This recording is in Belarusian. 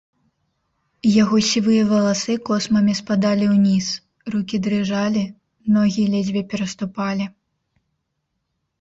Яго сівыя валасы космамі спадалі ўніз, рукі дрыжалі, ногі ледзьве пераступалі.